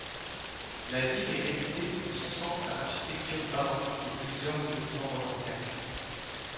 La ville est réputée pour son centre à l'architecture baroque et plusieurs monuments remarquables.